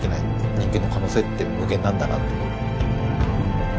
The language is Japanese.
人間の可能性って無限なんだなと。